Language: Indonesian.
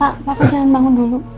pak papa jangan bangun dulu